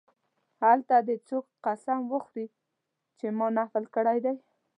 هلته دې څوک قسم وخوري چې ما نفل کړی دی.